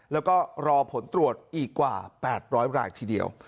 แล้วก็รอผลตรวจอีกกว่า๘๐๐รายทีเดียว